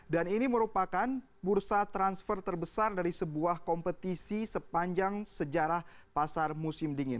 dan ini merupakan bursa transfer terbesar dari sebuah kompetisi sepanjang sejarah pasar musim dingin